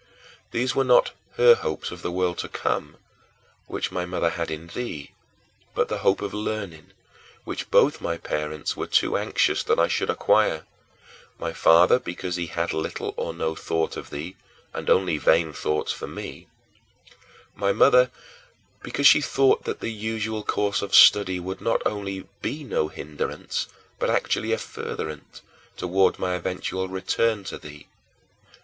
These were not her hopes of the world to come, which my mother had in thee, but the hope of learning, which both my parents were too anxious that I should acquire my father, because he had little or no thought of thee, and only vain thoughts for me; my mother, because she thought that the usual course of study would not only be no hindrance but actually a furtherance toward my eventual return to thee.